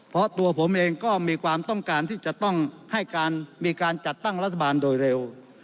เพราะตัวผมเองก็มีความต้องการที่จะต้องให้การมีการจัดตั้งรัฐบาลโดยเร็ว